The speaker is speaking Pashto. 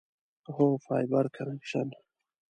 هو، فایبر کنکشن